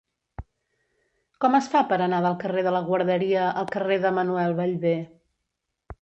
Com es fa per anar del carrer de la Guarderia al carrer de Manuel Ballbé?